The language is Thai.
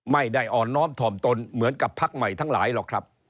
ไม่ได้อ่อนน้อมถ่อมตนเหมือนกับพักใหม่ทั้งหลายหรอกครับ